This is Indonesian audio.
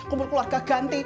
kumpul keluarga ganti